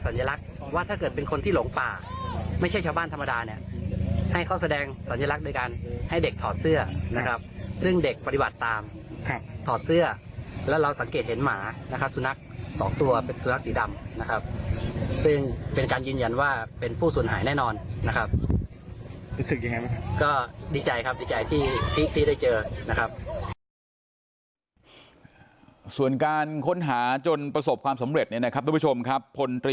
แสดงสัญลักษณ์ว่าถ้าเกิดเป็นคนที่หลงป่าไม่ใช่ชาวบ้านธรรมดาเนี่ยให้เขาแสดงสัญลักษณ์ด้วยกันให้เด็กถอดเสื้อนะครับซึ่งเด็กปฏิบัติตามถอดเสื้อแล้วเราสังเกตเห็นหมานะครับสุนัขสองตัวเป็นสุนัขสีดำนะครับซึ่งเป็นการยืนยันว่าเป็นผู้สุนหายแน่นอนนะครับรู้สึกยังไงไหมครับก็ด